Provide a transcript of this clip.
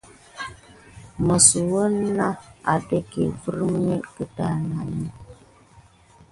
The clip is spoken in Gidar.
Məs wouna nà aɗaïka virmi keɗani.